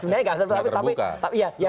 gak terbuka sebenarnya